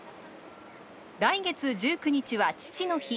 来月１９日は父の日。